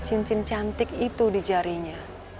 cincin cantik itu di jarinya